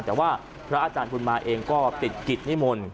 แต่ว่าพระอาจารย์บุญมาเองก็ติดกิจนิมนต์